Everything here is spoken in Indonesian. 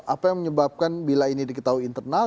apa yang menyebabkan bila ini diketahui internal